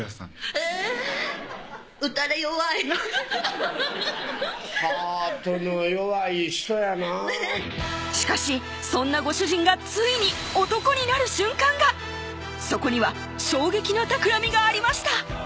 えぇ打たれ弱いハートの弱い人やなぁしかしそんなご主人がついに男になる瞬間がそこには衝撃のたくらみがありました